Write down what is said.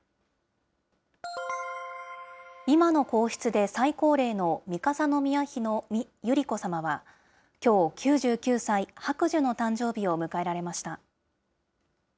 今の皇室で最高齢の三笠宮妃の百合子さまは、きょう、９９歳、白寿の誕生日を迎えられました。